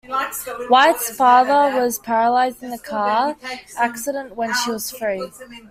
White's father was paralyzed in a car accident when she was three.